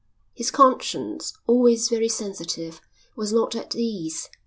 His conscience, always very sensitive, was not at ease.